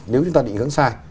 nếu chúng ta định hướng sai